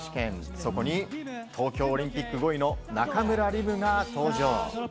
そこに東京オリンピック５位の中村輪夢が登場。